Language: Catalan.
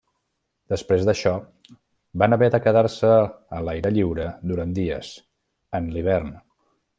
Després d'això, van haver de quedar-se a l'aire lliure durant dies, en l'hivern.